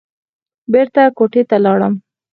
بېرته کوټې ته لاړم.